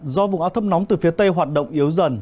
do vùng áp thấp nóng từ phía tây hoạt động yếu dần